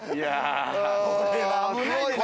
これは危ないですよ。